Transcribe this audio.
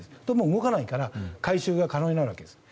動かないから回収が可能になるわけです。